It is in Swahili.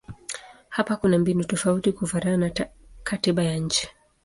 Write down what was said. Hapa kuna mbinu tofauti kufuatana na katiba ya nchi.